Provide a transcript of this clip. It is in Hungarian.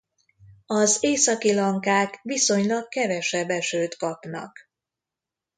Az északi lankák viszonylag kevesebb esőt kapnak.